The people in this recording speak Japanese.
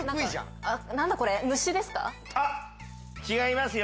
違いますよ